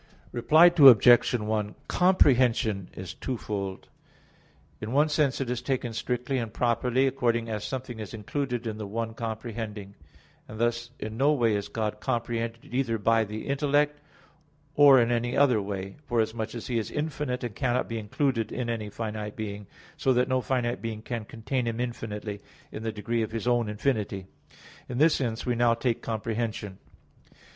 Reply Obj. 1: "Comprehension" is twofold: in one sense it is taken strictly and properly, according as something is included in the one comprehending; and thus in no way is God comprehended either by intellect, or in any other way; forasmuch as He is infinite and cannot be included in any finite being; so that no finite being can contain Him infinitely, in the degree of His own infinity. In this sense we now take comprehension.